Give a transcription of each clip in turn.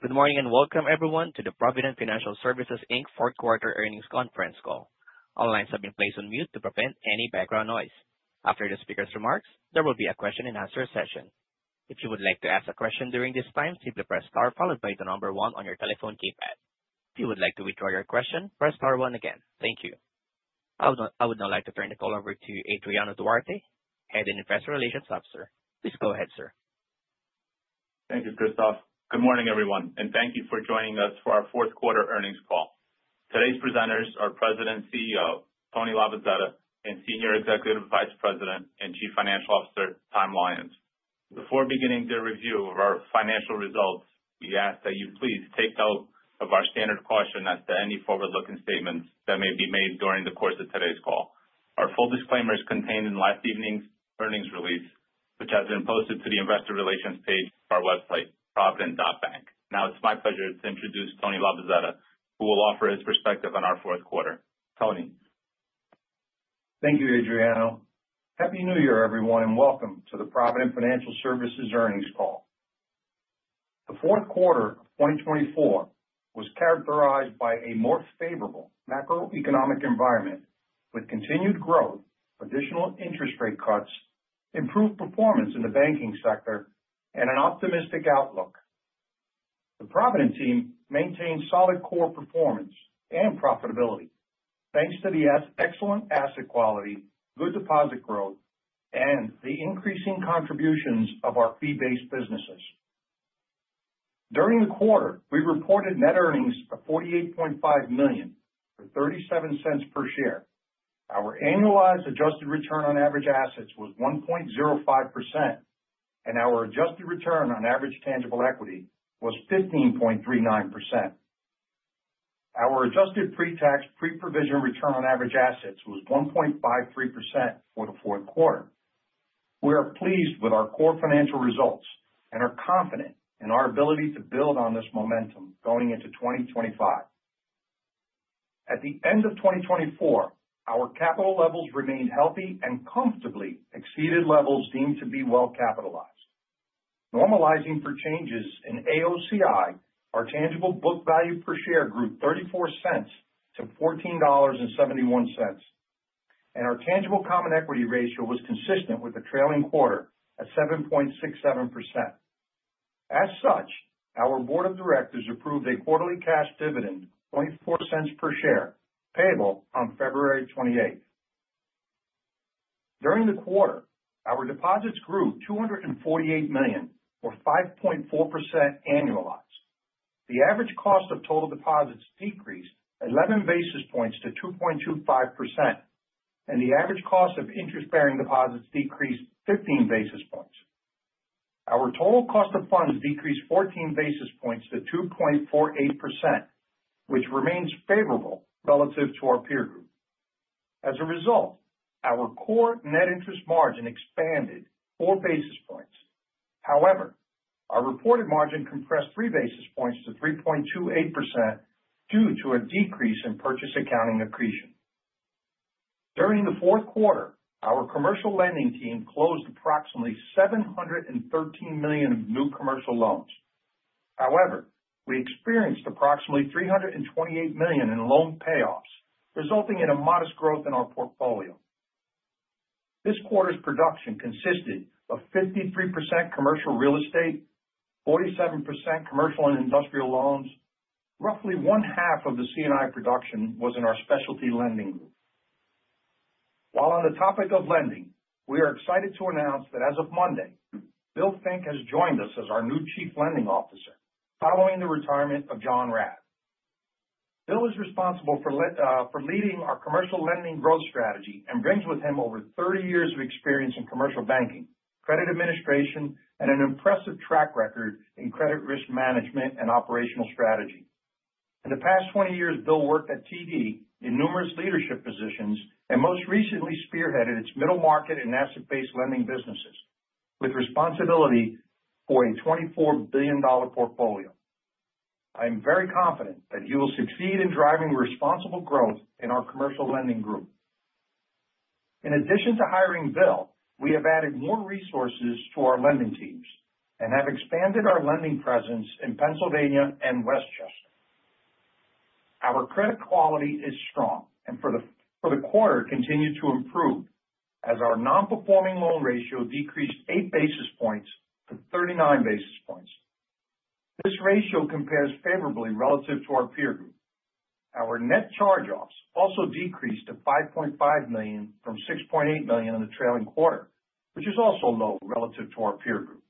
Good morning and welcome, everyone, to the Provident Financial Services, Inc. fourth quarter earnings conference call. All lines have been placed on mute to prevent any background noise. After the speaker's remarks, there will be a question-and-answer session. If you would like to ask a question during this time, simply press star followed by the number one on your telephone keypad. If you would like to withdraw your question, press star one again. Thank you. I would now like to turn the call over to Adriano Duarte, Head and Investor Relations Officer. Please go ahead, sir. Thank you, Christopher. Good morning, everyone, and thank you for joining us for our fourth quarter earnings call. Today's presenters are President and CEO Tony Labozzetta, and Senior Executive Vice President and Chief Financial Officer Tom Lyons. Before beginning the review of our financial results, we ask that you please take note of our standard caution as to any forward-looking statements that may be made during the course of today's call. Our full disclaimer is contained in last evening's earnings release, which has been posted to the Investor Relations page of our website, provident.bank. Now, it's my pleasure to introduce Tony Labozzetta, who will offer his perspective on our fourth quarter. Tony. Thank you, Adriano. Happy New Year, everyone, and welcome to the Provident Financial Services Earnings Call. The fourth quarter of 2024 was characterized by a more favorable macroeconomic environment with continued growth, additional interest rate cuts, improved performance in the banking sector, and an optimistic outlook. The Provident team maintained solid core performance and profitability thanks to the excellent asset quality, good deposit growth, and the increasing contributions of our fee-based businesses. During the quarter, we reported net earnings of $48.5 million for $0.37 per share. Our annualized adjusted return on average assets was 1.05%, and our adjusted return on average tangible equity was 15.39%. Our adjusted pre-tax pre-provision return on average assets was 1.53% for the fourth quarter. We are pleased with our core financial results and are confident in our ability to build on this momentum going into 2025. At the end of 2024, our capital levels remained healthy and comfortably exceeded levels deemed to be well capitalized. Normalizing for changes in AOCI, our tangible book value per share grew $0.34 to $14.71, and our tangible common equity ratio was consistent with the trailing quarter at 7.67%. As such, our board of directors approved a quarterly cash dividend of $0.004 per share, payable on February 28th. During the quarter, our deposits grew $248 million, or 5.4% annualized. The average cost of total deposits decreased 11 basis points to 2.25%, and the average cost of interest-bearing deposits decreased 15 basis points. Our total cost of funds decreased 14 basis points to 2.48%, which remains favorable relative to our peer group. As a result, our core net interest margin expanded 4 basis points. However, our reported margin compressed 3 basis points to 3.28% due to a decrease in purchase accounting accretion. During the fourth quarter, our commercial lending team closed approximately $713 million in new commercial loans. However, we experienced approximately $328 million in loan payoffs, resulting in a modest growth in our portfolio. This quarter's production consisted of 53% commercial real estate, 47% commercial and industrial loans. Roughly one-half of the C&I production was in our specialty lending group. While on the topic of lending, we are excited to announce that as of Monday, Bill Fink has joined us as our new Chief Lending Officer, following the retirement of John Radd. Bill is responsible for leading our commercial lending growth strategy and brings with him over 30 years of experience in commercial banking, credit administration, and an impressive track record in credit risk management and operational strategy. In the past 20 years, Bill worked at TD in numerous leadership positions and most recently spearheaded its middle market and asset-based lending businesses, with responsibility for a $24 billion portfolio. I am very confident that he will succeed in driving responsible growth in our commercial lending group. In addition to hiring Bill, we have added more resources to our lending teams and have expanded our lending presence in Pennsylvania and Westchester. Our credit quality is strong and for the quarter continued to improve as our non-performing loan ratio decreased 8 basis points to 39 basis points. This ratio compares favorably relative to our peer group. Our net charge-offs also decreased to $5.5 million from $6.8 million in the trailing quarter, which is also low relative to our peer group.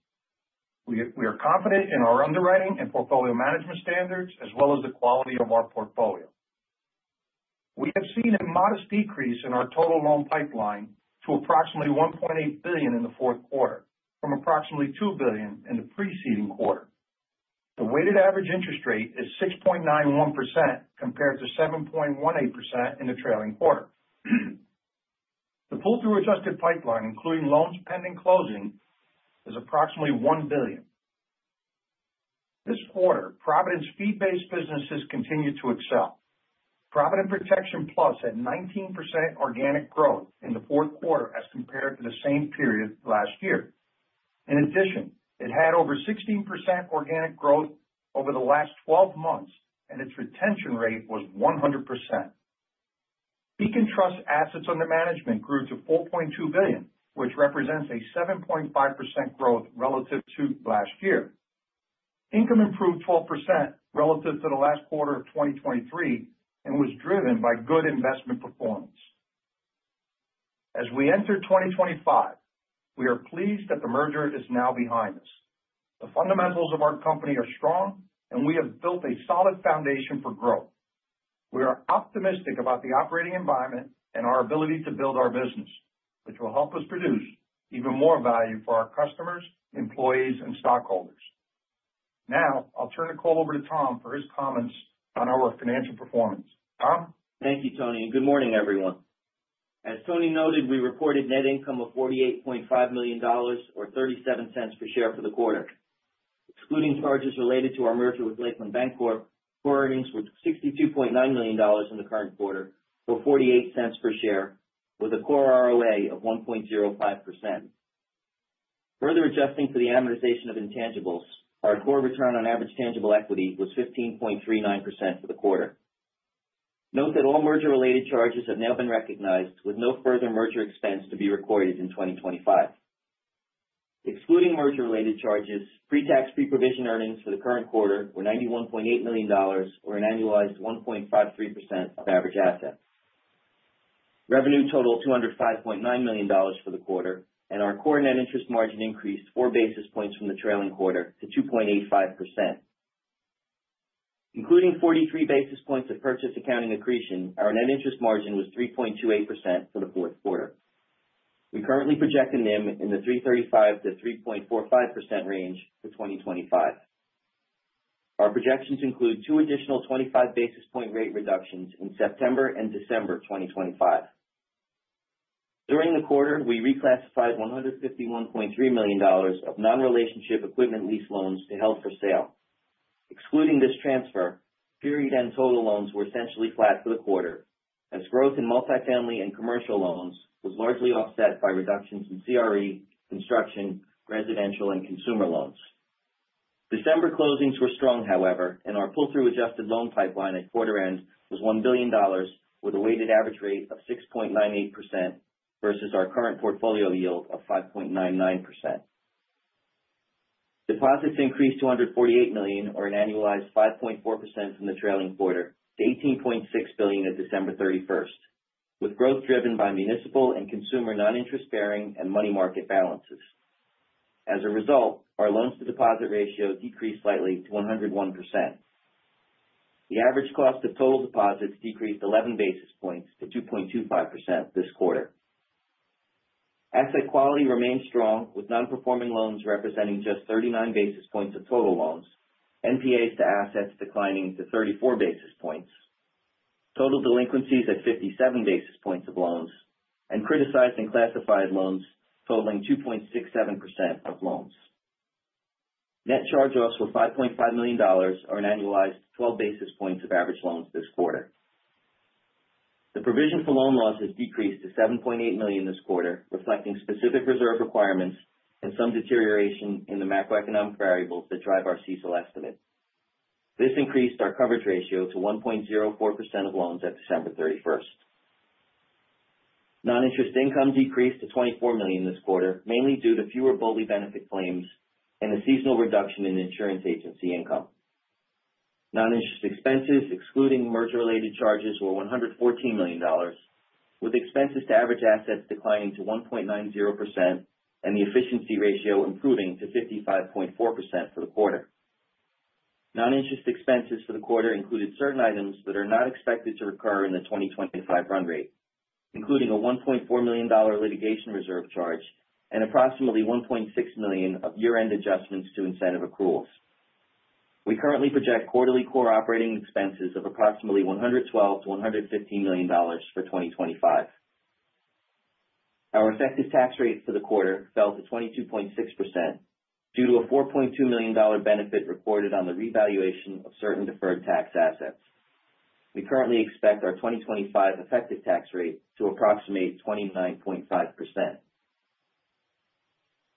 We are confident in our underwriting and portfolio management standards, as well as the quality of our portfolio. We have seen a modest decrease in our total loan pipeline to approximately $1.8 billion in the fourth quarter, from approximately $2 billion in the preceding quarter. The weighted average interest rate is 6.91% compared to 7.18% in the trailing quarter. The pull-through adjusted pipeline, including loans pending closing, is approximately $1 billion. This quarter, Provident's fee-based businesses continued to excel. Provident Protection Plus had 19% organic growth in the fourth quarter as compared to the same period last year. In addition, it had over 16% organic growth over the last 12 months, and its retention rate was 100%. Beacon Trust's assets under management grew to $4.2 billion, which represents a 7.5% growth relative to last year. Income improved 12% relative to the last quarter of 2023 and was driven by good investment performance. As we enter 2025, we are pleased that the merger is now behind us. The fundamentals of our company are strong, and we have built a solid foundation for growth. We are optimistic about the operating environment and our ability to build our business, which will help us produce even more value for our customers, employees, and stockholders. Now, I'll turn the call over to Tom for his comments on our financial performance. Tom? Thank you, Tony. Good morning, everyone. As Tony noted, we reported net income of $48.5 million, or $0.37 per share, for the quarter. Excluding charges related to our merger with Lakeland Bancorp, core earnings were $62.9 million in the current quarter, or $0.48 per share, with a core ROA of 1.05%. Further adjusting for the amortization of intangibles, our core return on average tangible equity was 15.39% for the quarter. Note that all merger-related charges have now been recognized, with no further merger expense to be recorded in 2025. Excluding merger-related charges, pre-tax pre-provision earnings for the current quarter were $91.8 million, or an annualized 1.53% of average assets. Revenue totaled $205.9 million for the quarter, and our core net interest margin increased 4 basis points from the trailing quarter to 2.85%. Including 43 basis points of purchase accounting accretion, our net interest margin was 3.28% for the fourth quarter. We currently project a NIM in the 3.35%-3.45% range for 2025. Our projections include two additional 25 basis point rate reductions in September and December 2025. During the quarter, we reclassified $151.3 million of non-relationship equipment lease loans to held for sale. Excluding this transfer, period-end total loans were essentially flat for the quarter, as growth in multifamily and commercial loans was largely offset by reductions in CRE, construction, residential, and consumer loans. December closings were strong, however, and our pull-through adjusted loan pipeline at quarter-end was $1 billion, with a weighted average rate of 6.98% versus our current portfolio yield of 5.99%. Deposits increased $248 million, or an annualized 5.4% from the trailing quarter, to $18.6 billion at December 31st, with growth driven by municipal and consumer non-interest-bearing and money market balances. As a result, our loans-to-deposit ratio decreased slightly to 101%. The average cost of total deposits decreased 11 basis points to 2.25% this quarter. Asset quality remained strong, with non-performing loans representing just 39 basis points of total loans, NPAs to assets declining to 34 basis points, total delinquencies at 57 basis points of loans, and criticized and classified loans totaling 2.67% of loans. Net charge-offs were $5.5 million, or an annualized 12 basis points of average loans this quarter. The provision for loan losses decreased to $7.8 million this quarter, reflecting specific reserve requirements and some deterioration in the macroeconomic variables that drive our seasonal estimate. This increased our coverage ratio to 1.04% of loans at December 31st. Non-interest income decreased to $24 million this quarter, mainly due to fewer BOLI benefit claims and a seasonal reduction in insurance agency income. Non-interest expenses, excluding merger-related charges, were $114 million, with expenses to average assets declining to 1.90% and the efficiency ratio improving to 55.4% for the quarter. Non-interest expenses for the quarter included certain items that are not expected to recur in the 2025 run rate, including a $1.4 million litigation reserve charge and approximately $1.6 million of year-end adjustments to incentive accruals. We currently project quarterly core operating expenses of approximately $112-$115 million for 2025. Our effective tax rate for the quarter fell to 22.6% due to a $4.2 million benefit recorded on the revaluation of certain deferred tax assets. We currently expect our 2025 effective tax rate to approximate 29.5%.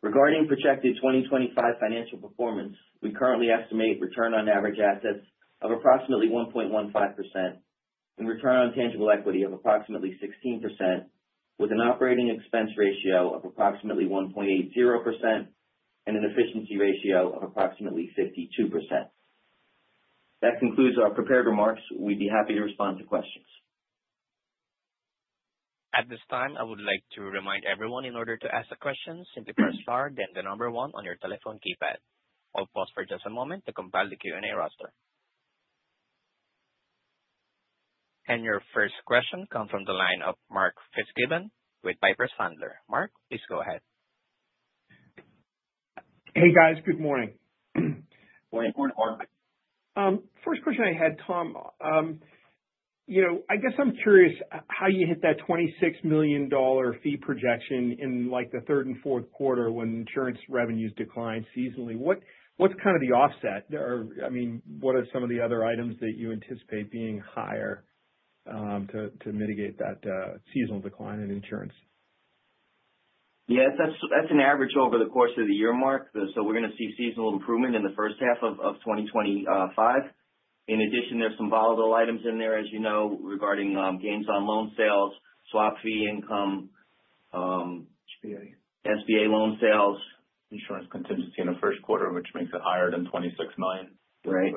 Regarding projected 2025 financial performance, we currently estimate return on average assets of approximately 1.15% and return on tangible equity of approximately 16%, with an operating expense ratio of approximately 1.80% and an efficiency ratio of approximately 52%. That concludes our prepared remarks. We'd be happy to respond to questions. At this time, I would like to remind everyone, in order to ask a question, simply press Star, then the number one on your telephone keypad. I'll pause for just a moment to compile the Q&A roster. And your first question comes from the line of Mark Fitzgibbon with Piper Sandler. Mark, please go ahead. Hey, guys. Good morning. Good morning, Mark. First question I had, Tom, I guess I'm curious how you hit that $26 million fee projection in the third and fourth quarter when insurance revenues declined seasonally? What's kind of the offset? I mean, what are some of the other items that you anticipate being higher to mitigate that seasonal decline in insurance? Yeah, that's an average over the course of the year, Mark. So we're going to see seasonal improvement in the first half of 2025. In addition, there's some volatile items in there, as you know, regarding gains on loan sales, swap fee income, SBA loan sales. Insurance contingency in the first quarter, which makes it higher than $26 million. Right.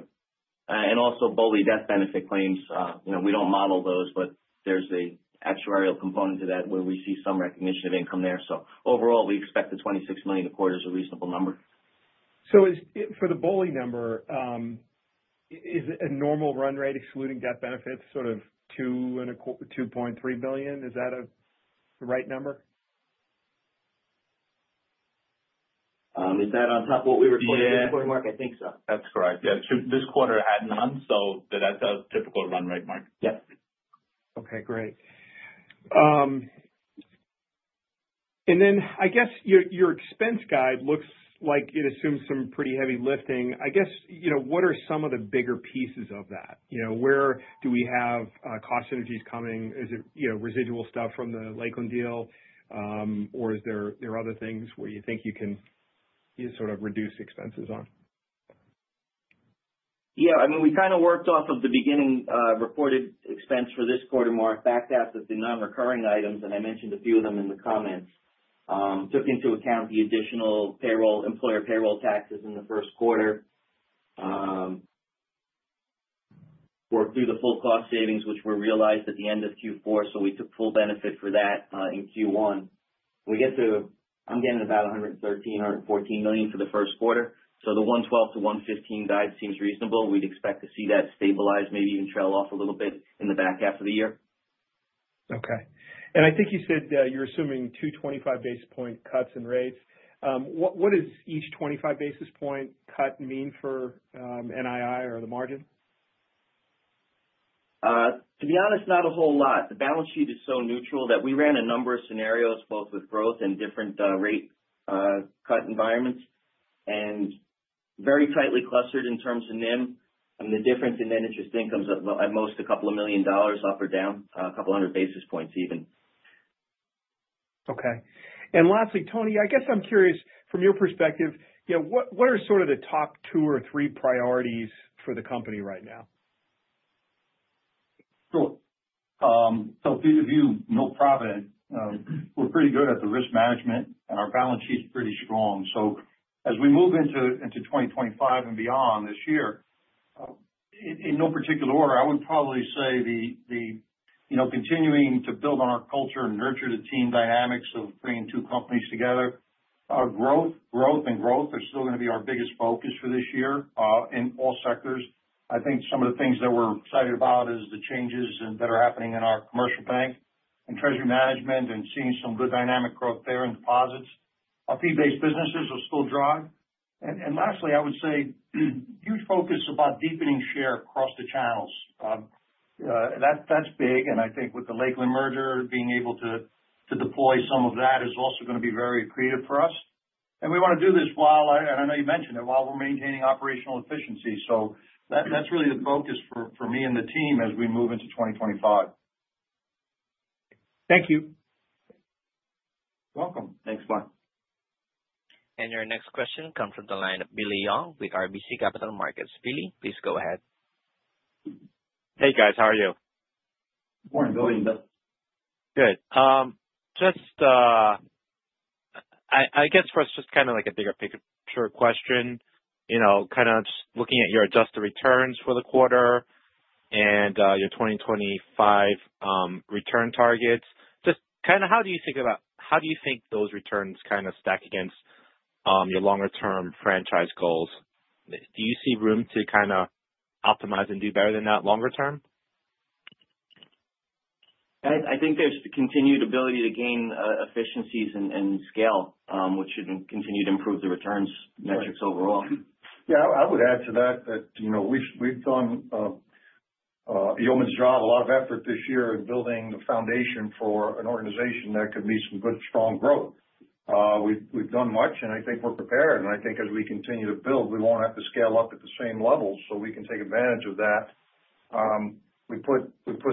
And also BOLI death benefit claims. We don't model those, but there's an actuarial component to that where we see some recognition of income there. So overall, we expect the $26 million quarter is a reasonable number. For the BOLI number, is a normal run rate, excluding death benefits, sort of $2.3 billion? Is that the right number? Is that on top of what we reported? Yeah. I think so. That's correct. Yeah. This quarter had none, so that's a typical run rate, Mark. Yep. Okay. Great. And then I guess your expense guide looks like it assumes some pretty heavy lifting. I guess what are some of the bigger pieces of that? Where do we have cost synergies coming? Is it residual stuff from the Lakeland deal, or are there other things where you think you can sort of reduce expenses on? Yeah. I mean, we kind of worked off of the beginning reported expense for this quarter, Mark. Backed out that the non-recurring items, and I mentioned a few of them in the comments, took into account the additional employer payroll taxes in the first quarter. Worked through the full cost savings, which were realized at the end of Q4, so we took full benefit for that in Q1. I'm getting about $113 million-$114 million for the first quarter. So the $112 million-$115 million guide seems reasonable. We'd expect to see that stabilize, maybe even trail off a little bit in the back half of the year. Okay. And I think you said you're assuming two 25 basis point cuts in rates. What does each 25 basis point cut mean for NII or the margin? To be honest, not a whole lot. The balance sheet is so neutral that we ran a number of scenarios, both with growth and different rate cut environments, and very tightly clustered in terms of NIM, and the difference in net interest incomes at most a couple of million dollars up or down, a couple hundred basis points even. Okay, and lastly, Tony, I guess I'm curious, from your perspective, what are sort of the top two or three priorities for the company right now? Sure. So vis-à-vis, no problem. We're pretty good at the risk management, and our balance sheet's pretty strong. So as we move into 2025 and beyond this year, in no particular order, I would probably say the continuing to build on our culture and nurture the team dynamics of bringing two companies together. Growth and growth are still going to be our biggest focus for this year in all sectors. I think some of the things that we're excited about are the changes that are happening in our commercial bank and treasury management and seeing some good dynamic growth there in deposits. Our fee-based businesses will still drive. And lastly, I would say huge focus about deepening share across the channels. That's big. And I think with the Lakeland merger, being able to deploy some of that is also going to be very creative for us. And we want to do this while (and I know you mentioned it) while we're maintaining operational efficiency. So that's really the focus for me and the team as we move into 2025. Thank you. Welcome. Thanks, Mark. Your next question comes from the line of Billy Young with RBC Capital Markets. Billy, please go ahead. Hey, guys. How are you? Good morning, Billy. Good. I guess first, just kind of like a bigger picture question, kind of just looking at your adjusted returns for the quarter and your 2025 return targets. Just kind of how do you think about, how do you think those returns kind of stack against your longer-term franchise goals? Do you see room to kind of optimize and do better than that longer term? I think there's continued ability to gain efficiencies and scale, which should continue to improve the returns metrics overall. Yeah. I would add to that that we've done a yeoman's job, a lot of effort this year in building the foundation for an organization that could meet some good, strong growth. We've done much, and I think we're prepared, and I think as we continue to build, we won't have to scale up at the same level, so we can take advantage of that. We put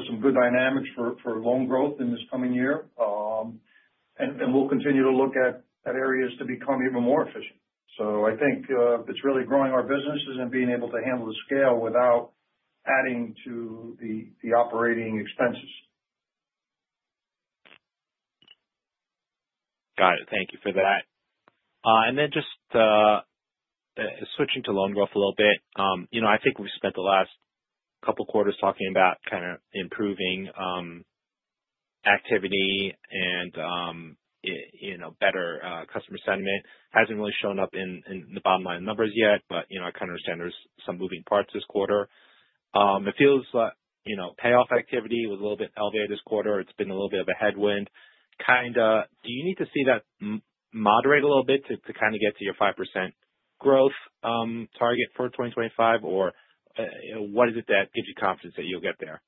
some good dynamics for loan growth in this coming year, and we'll continue to look at areas to become even more efficient, so I think it's really growing our businesses and being able to handle the scale without adding to the operating expenses. Got it. Thank you for that. And then just switching to loan growth a little bit, I think we've spent the last couple of quarters talking about kind of improving activity and better customer sentiment. Hasn't really shown up in the bottom-line numbers yet, but I kind of understand there's some moving parts this quarter. It feels like payoff activity was a little bit elevated this quarter. It's been a little bit of a headwind. Kind of do you need to see that moderate a little bit to kind of get to your 5% growth target for 2025, or what is it that gives you confidence that you'll get there?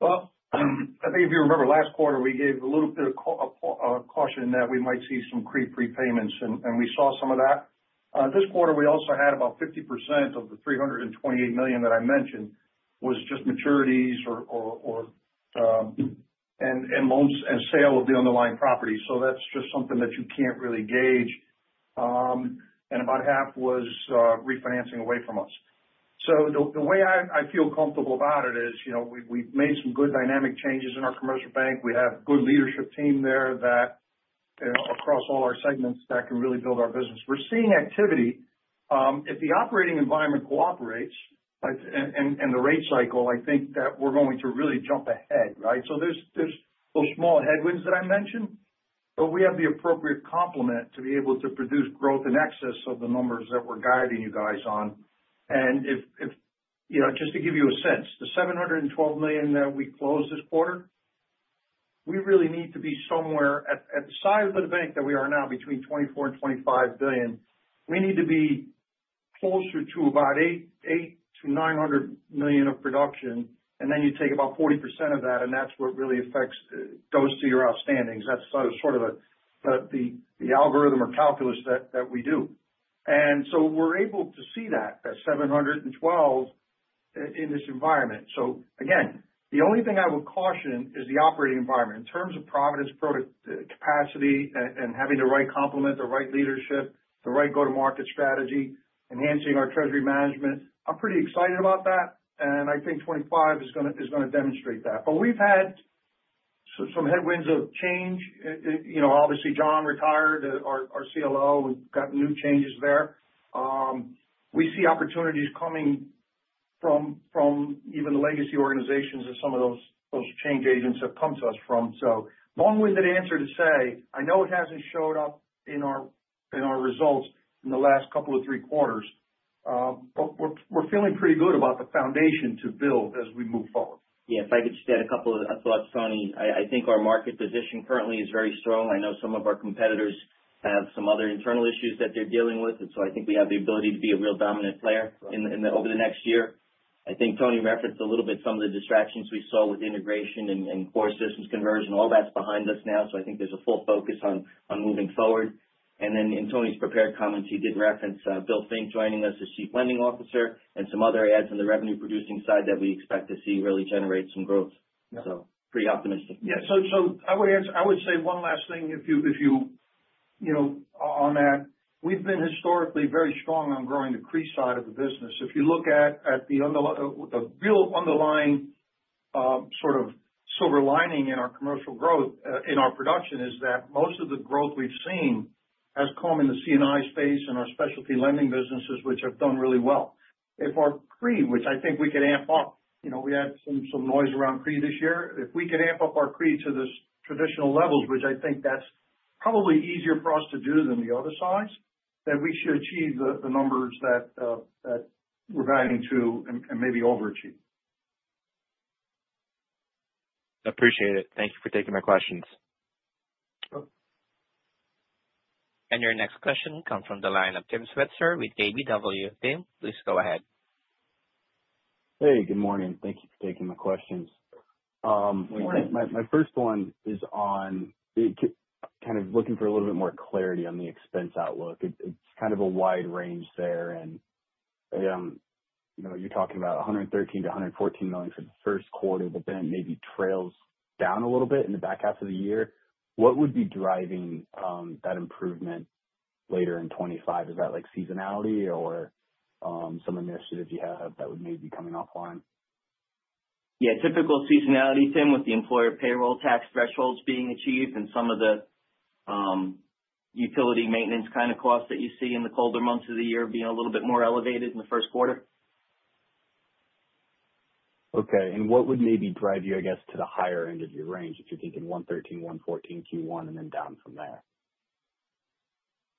Well, I think if you remember last quarter, we gave a little bit of caution that we might see some prepayments, and we saw some of that. This quarter, we also had about 50% of the $328 million that I mentioned was just maturities, payoffs, and sale of the underlying property. So that's just something that you can't really gauge. And about half was refinancing away from us. So the way I feel comfortable about it is we've made some good dynamic changes in our commercial bank. We have a good leadership team there across all our segments that can really build our business. We're seeing activity. If the operating environment cooperates and the rate cycle, I think that we're going to really jump ahead, right? So there's those small headwinds that I mentioned, but we have the appropriate complement to be able to produce growth in excess of the numbers that we're guiding you guys on. And just to give you a sense, the $712 million that we closed this quarter, we really need to be somewhere at the size of the bank that we are now, between $24 and $25 billion. We need to be closer to about $800-$900 million of production, and then you take about 40% of that, and that's what really goes to your outstandings. That's sort of the algorithm or calculus that we do. And so we're able to see that at $712 million in this environment. So again, the only thing I would caution is the operating environment. In terms of Provident capacity and having the right complement, the right leadership, the right go-to-market strategy, enhancing our treasury management, I'm pretty excited about that, and I think 2025 is going to demonstrate that, but we've had some headwinds of change. Obviously, John retired, our CLO, and got new changes there. We see opportunities coming from even the legacy organizations that some of those change agents have come to us from, so long-winded answer to say, I know it hasn't showed up in our results in the last couple of three quarters, but we're feeling pretty good about the foundation to build as we move forward. Yeah. If I could just add a couple of thoughts, Tony. I think our market position currently is very strong. I know some of our competitors have some other internal issues that they're dealing with. And so I think we have the ability to be a real dominant player over the next year. I think Tony referenced a little bit some of the distractions we saw with integration and core systems conversion. All that's behind us now, so I think there's a full focus on moving forward. And then in Tony's prepared comments, he did reference Bill Fink joining us as Chief Lending Officer and some other adds on the revenue-producing side that we expect to see really generate some growth. So pretty optimistic. Yeah. So I would say one last thing if you on that. We've been historically very strong on growing the CRE side of the business. If you look at the real underlying sort of silver lining in our commercial growth in our production is that most of the growth we've seen has come in the C&I space and our specialty lending businesses, which have done really well. If our CRE, which I think we could amp up, we had some noise around CRE this year. If we could amp up our CRE to the traditional levels, which I think that's probably easier for us to do than the other sides, then we should achieve the numbers that we're guiding to and maybe overachieve. Appreciate it. Thank you for taking my questions. And your next question comes from the line of Tim Switzer with KBW. Tim, please go ahead. Hey, good morning. Thank you for taking my questions. My first one is on kind of looking for a little bit more clarity on the expense outlook. It's kind of a wide range there. And you're talking about $113 million-$114 million for the first quarter, but then it maybe trails down a little bit in the back half of the year. What would be driving that improvement later in 2025? Is that seasonality or some initiatives you have that would maybe be coming offline? Yeah. Typical seasonality, Tim, with the employer payroll tax thresholds being achieved and some of the utility maintenance kind of costs that you see in the colder months of the year being a little bit more elevated in the first quarter. Okay. And what would maybe drive you, I guess, to the higher end of your range if you're thinking 113, 114, Q1, and then down from there?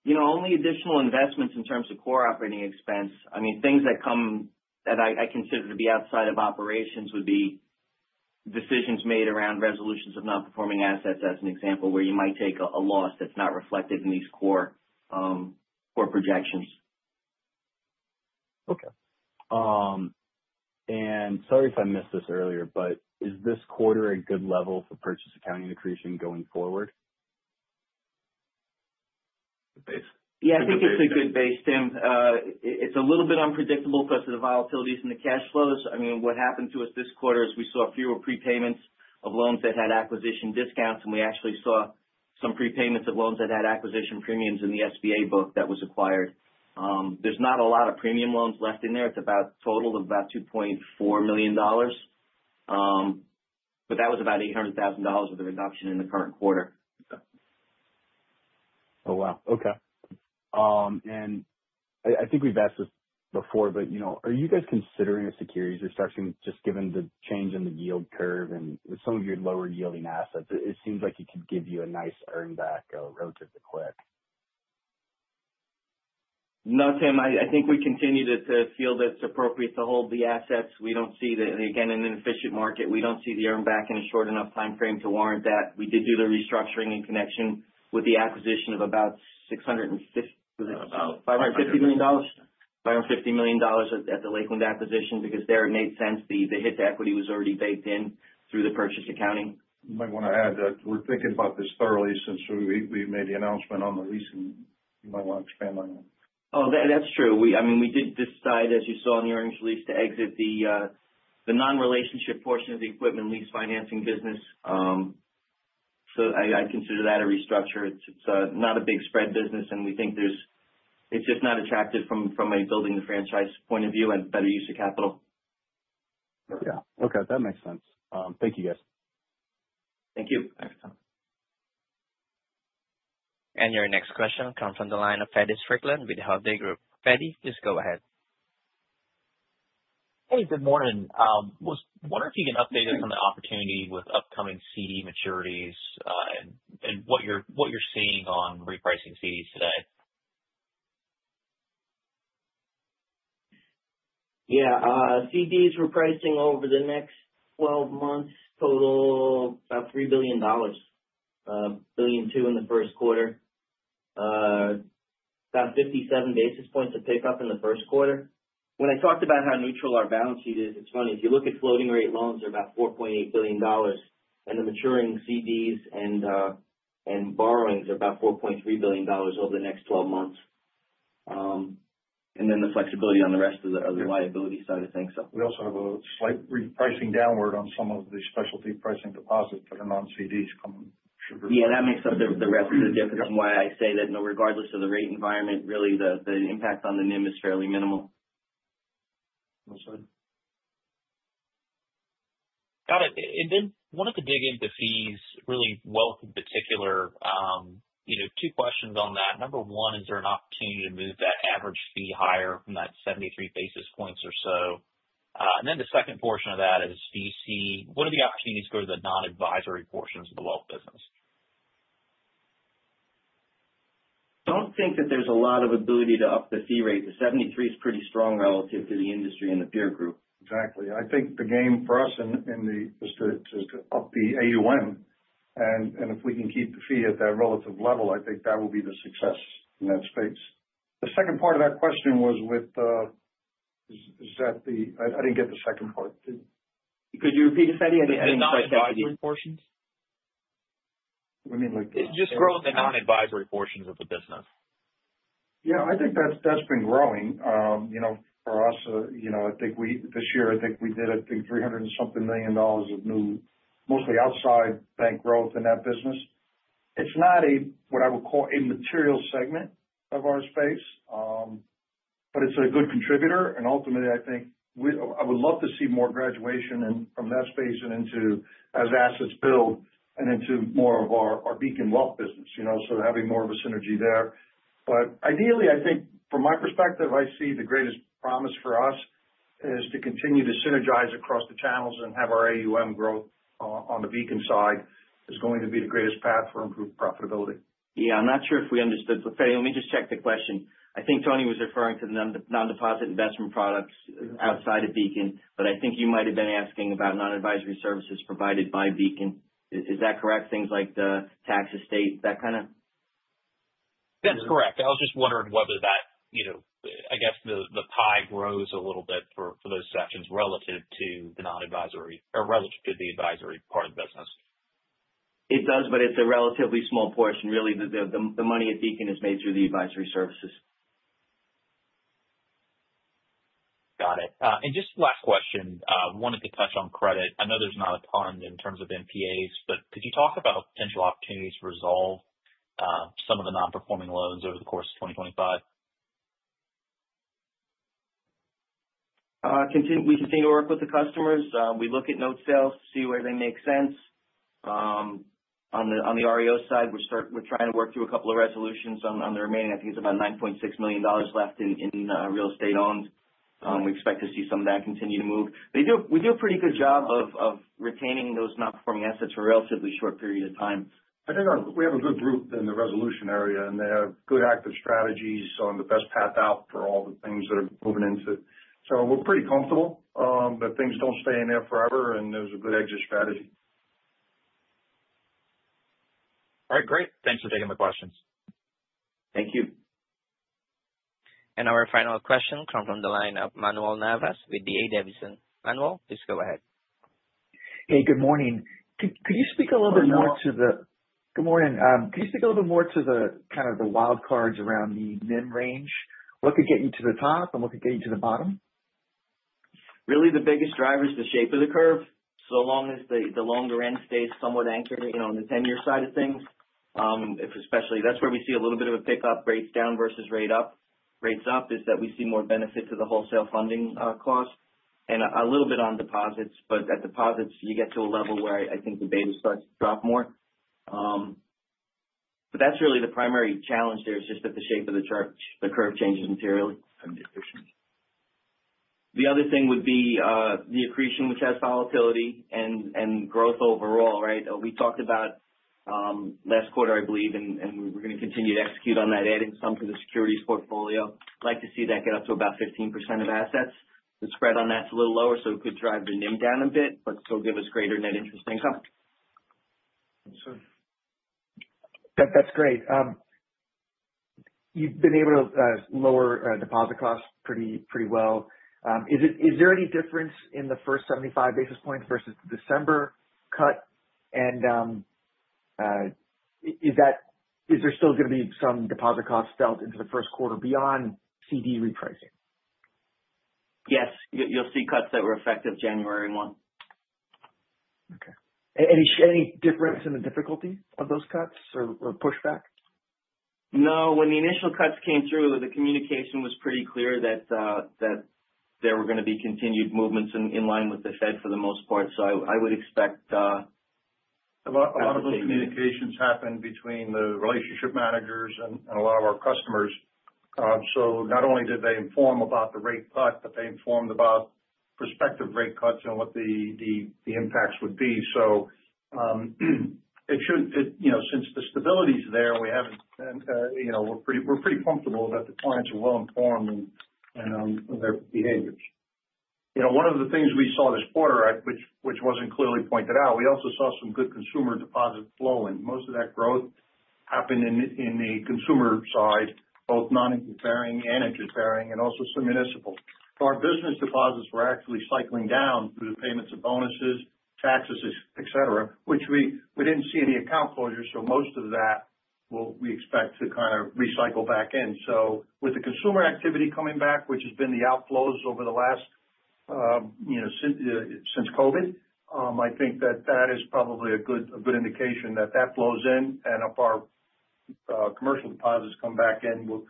Only additional investments in terms of core operating expense. I mean, things that come, that I consider to be outside of operations would be decisions made around resolutions of non-performing assets, as an example, where you might take a loss that's not reflected in these core projections. Okay. And sorry if I missed this earlier, but is this quarter a good level for purchase accounting accretion going forward? Yeah. I think it's a good base, Tim. It's a little bit unpredictable because of the volatilities in the cash flows. I mean, what happened to us this quarter is we saw fewer prepayments of loans that had acquisition discounts, and we actually saw some prepayments of loans that had acquisition premiums in the SBA book that was acquired. There's not a lot of premium loans left in there. It's a total of about $2.4 million. But that was about $800,000 of the reduction in the current quarter. Oh, wow. Okay. And I think we've asked this before, but are you guys considering securities or starting just given the change in the yield curve and some of your lower-yielding assets? It seems like it could give you a nice earnback relatively quick. No, Tim. I think we continue to feel that it's appropriate to hold the assets. We don't see that, again, in an efficient market. We don't see the earnback in a short enough timeframe to warrant that. We did do the restructuring in connection with the acquisition of about $550 million at the Lakeland acquisition because there it made sense. The hit to equity was already baked in through the purchase accounting. You might want to add that we're thinking about this thoroughly since we made the announcement on the leasing. You might want to expand on that. Oh, that's true. I mean, we did decide, as you saw in the earnings release, to exit the non-relationship portion of the equipment lease financing business. So I consider that a restructure. It's not a big spread business, and we think it's just not attractive from a building the franchise point of view and better use of capital. Yeah. Okay. That makes sense. Thank you, guys. Thank you. Thanks, Tom. Your next question comes from the line of Feddie Strickland with Hovde Group. Feddie, please go ahead. Hey, good morning. I was wondering if you can update us on the opportunity with upcoming CD maturities and what you're seeing on repricing CDs today. Yeah. CDs repricing over the next 12 months total about $3 billion, $2 billion in the first quarter. About 57 basis points of pickup in the first quarter. When I talked about how neutral our balance sheet is, it's funny. If you look at floating-rate loans, they're about $4.8 billion, and the maturing CDs and borrowings are about $4.3 billion over the next 12 months. And then the flexibility on the rest of the liability side of things. We also have a slight repricing downward on some of the specialty pricing deposits that are non-CDs coming. Yeah. That makes up the rest of the difference, and why I say that, regardless of the rate environment, really the impact on the NIM is fairly minimal. Got it. And then wanted to dig into fees really well in particular. Two questions on that. Number one, is there an opportunity to move that average fee higher from that 73 basis points or so? And then the second portion of that is, do you see what are the opportunities for the non-advisory portions of the wealth business? Don't think that there's a lot of ability to up the fee rate. The 73 is pretty strong relative to the industry and the peer group. Exactly. I think the game for us in the is to up the AUM. And if we can keep the fee at that relative level, I think that will be the success in that space. The second part of that question was, what is that? I didn't get the second part. Could you repeat it, Feddie? I didn't quite catch it. Portions? What do you mean? Just growth in non-advisory portions of the business. Yeah. I think that's been growing. For us, I think this year, I think we did, I think, $300-something million of new mostly outside bank growth in that business. It's not a, what I would call, a material segment of our space, but it's a good contributor. And ultimately, I think I would love to see more graduation from that space and into as assets build and into more of our Beacon wealth business. So having more of a synergy there. But ideally, I think from my perspective, I see the greatest promise for us is to continue to synergize across the channels and have our AUM growth on the Beacon side is going to be the greatest path for improved profitability. Yeah. I'm not sure if we understood. Feddie, let me just check the question. I think Tony was referring to the non-deposit investment products outside of Beacon, but I think you might have been asking about non-advisory services provided by Beacon. Is that correct? Things like the tax and estate, that kind of? That's correct. I was just wondering whether that, I guess, the pie grows a little bit for those sections relative to the non-advisory or relative to the advisory part of the business. It does, but it's a relatively small portion, really. The money at Beacon is made through the advisory services. Got it, and just last question. Wanted to touch on credit. I know there's not a ton in terms of NPAs, but could you talk about potential opportunities to resolve some of the non-performing loans over the course of 2025? We continue to work with the customers. We look at note sales, see where they make sense. On the REO side, we're trying to work through a couple of resolutions on the remaining. I think it's about $9.6 million left in real estate owned. We expect to see some of that continue to move. We do a pretty good job of retaining those non-performing assets for a relatively short period of time. I think we have a good group in the resolution area, and they have good active strategies on the best path out for all the things that are moving into. So we're pretty comfortable that things don't stay in there forever, and there's a good exit strategy. All right. Great. Thanks for taking my questions. Thank you. Our final question comes from the line of Manuel Navas with D.A. Davidson. Manuel, please go ahead. Hey, good morning. Could you speak a little bit more to the? Good morning. Good morning. Could you speak a little bit more to the kind of the wild cards around the NIM range? What could get you to the top, and what could get you to the bottom? Really, the biggest driver is the shape of the curve. So long as the longer end stays somewhat anchored on the 10-year side of things, especially that's where we see a little bit of a pickup, rates down versus rates up, is that we see more benefit to the wholesale funding cost. And a little bit on deposits, but at deposits, you get to a level where I think the data starts to drop more. But that's really the primary challenge there, is just that the shape of the curve changes materially. The other thing would be the accretion, which has volatility and growth overall, right? We talked about last quarter, I believe, and we're going to continue to execute on that adding some to the securities portfolio. I'd like to see that get up to about 15% of assets. The spread on that's a little lower, so it could drive the NIM down a bit, but still give us greater net interest income. That's great. You've been able to lower deposit costs pretty well. Is there any difference in the first 75 basis points versus the December cut? And is there still going to be some deposit costs felt into the first quarter beyond CD repricing? Yes. You'll see cuts that were effective January 1. Okay. Any difference in the difficulty of those cuts or pushback? No. When the initial cuts came through, the communication was pretty clear that there were going to be continued movements in line with the Fed for the most part. So I would expect- A lot of those communications happened between the relationship managers and a lot of our customers. So not only did they inform about the rate cut, but they informed about prospective rate cuts and what the impacts would be. So since the stability is there, we haven't been. We're pretty comfortable that the clients are well informed in their behaviors. One of the things we saw this quarter, which wasn't clearly pointed out, we also saw some good consumer deposit flowing. Most of that growth happened in the consumer side, both non-interest bearing and interest bearing, and also some municipal. So our business deposits were actually cycling down through the payments of bonuses, taxes, etc., which we didn't see any account closure. So most of that, we expect to kind of recycle back in. So with the consumer activity coming back, which has been the outflows over the last since COVID, I think that that is probably a good indication that that flows in, and if our commercial deposits come back in,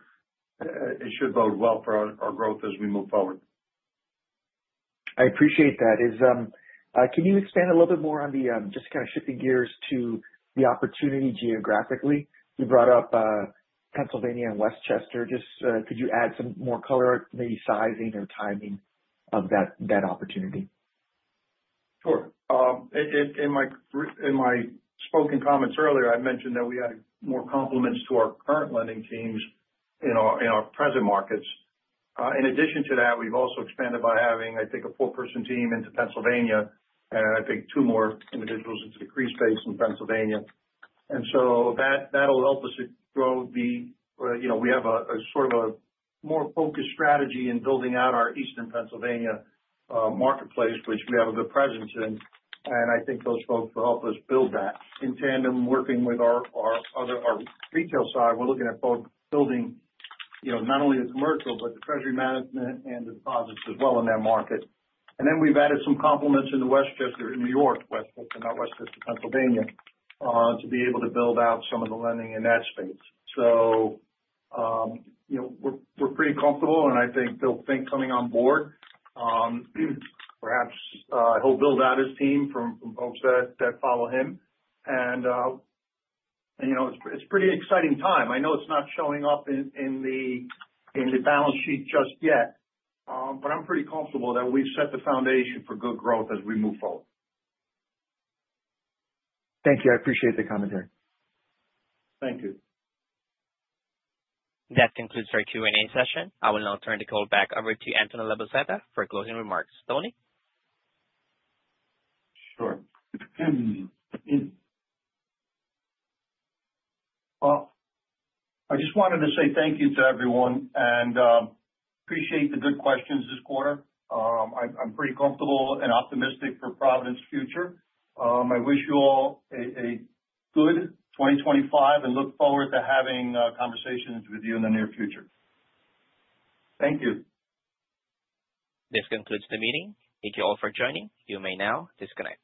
it should bode well for our growth as we move forward. I appreciate that. Can you expand a little bit more on the just kind of shifting gears to the opportunity geographically? You brought up Pennsylvania and Westchester. Just could you add some more color, maybe sizing or timing of that opportunity? Sure. In my spoken comments earlier, I mentioned that we had more complements to our current lending teams in our present markets. In addition to that, we've also expanded by having, I think, a four-person team into Pennsylvania and, I think, two more individuals into the CRE space in Pennsylvania. And so that'll help us grow. We have a sort of a more focused strategy in building out our Eastern Pennsylvania marketplace, which we have a good presence in. And I think those folks will help us build that. In tandem, working with our retail side, we're looking at both building not only the commercial, but the treasury management and the deposits as well in that market. And then we've added some complements in the Westchester in New York, Westchester, not West Chester, Pennsylvania, to be able to build out some of the lending in that space. So, we're pretty comfortable, and I think they'll think coming on board. Perhaps he'll build out his team from folks that follow him. And it's a pretty exciting time. I know it's not showing up in the balance sheet just yet, but I'm pretty comfortable that we've set the foundation for good growth as we move forward. Thank you. I appreciate the comment there. Thank you. That concludes our Q&A session. I will now turn the call back over to Anthony Labozzetta for closing remarks. Tony? Sure. I just wanted to say thank you to everyone and appreciate the good questions this quarter. I'm pretty comfortable and optimistic for Provident's future. I wish you all a good 2025 and look forward to having conversations with you in the near future. Thank you. This concludes the meeting. Thank you all for joining. You may now disconnect.